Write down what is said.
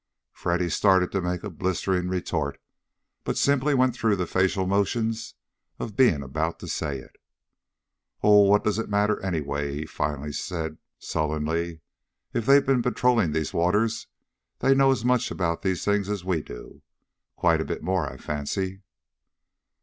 Freddy started to make a blistering retort but simply went through the facial motions of being about to say it. "Oh, what does it matter, anyway?" he finally said sullenly. "If they've been patrolling these waters they know as much about these things as we do. Quite a bit more, I fancy."